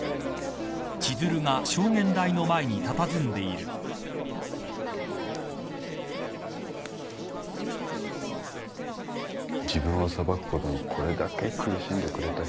自分を裁くことにこれだけ苦しんでくれた人がいる。